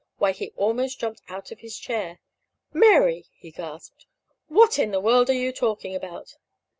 Why, he almost jumped out of his chair. "Mary!" he gasped. "What in the world are you talking about?"